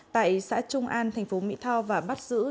tại xã trung an thành phố mỹ tho và bắt giữ